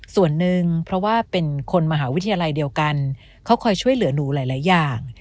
ส่วนหนึ่งเพราะว่าเป็นคนมหาวิทยาลัยเดียวกันเขาคอยช่วยเหลือหนูหลายอย่าง